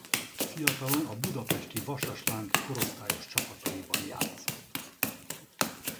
Fiatalon a budapesti Vasas Láng korosztályos csapataiban játszott.